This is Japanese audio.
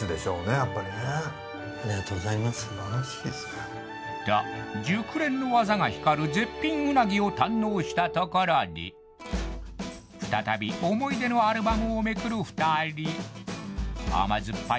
ありがとうございますと熟練の技が光る絶品うなぎを堪能したところで再び思い出のアルバムをめくる２人甘酸っぱい